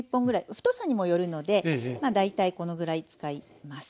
太さにもよるので大体このぐらい使います。